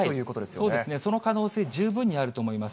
そうですね、その可能性十分にあると思います。